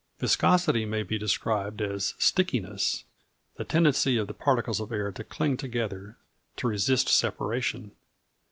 Viscosity may be described as "stickiness" the tendency of the particles of air to cling together, to resist separation.